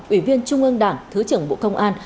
ủy viên trung ương đảng thứ trưởng bộ công an